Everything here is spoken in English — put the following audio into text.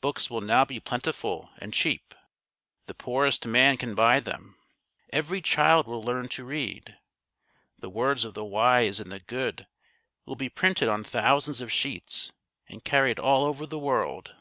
Books will now be plentiful and cheap. The poor est man can buy them. Every child will learn to read. The words of the wise and the good will be printed on thousands of sheets and carried all over the world.